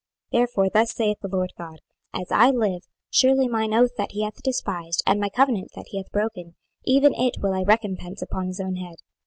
26:017:019 Therefore thus saith the Lord GOD; As I live, surely mine oath that he hath despised, and my covenant that he hath broken, even it will I recompense upon his own head.